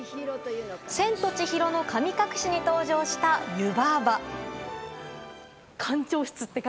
「千と千尋の神隠し」に登場した湯婆婆。